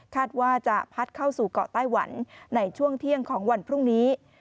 ว่าจะพัดเข้าสู่เกาะไต้หวันในช่วงเที่ยงของวันพรุ่งนี้